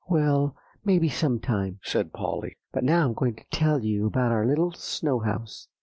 "Well, maybe, some time," said Polly; "but now I'm going to tell you about our little snow house.